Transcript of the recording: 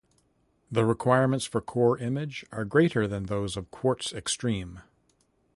The requirements for Core Image are greater than those of Quartz Extreme.